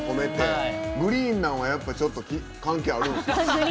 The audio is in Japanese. グリーンなのはやっぱり関係あるんですか。